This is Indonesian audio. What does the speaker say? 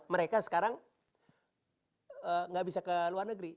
mereka sekarang nggak bisa ke luar negeri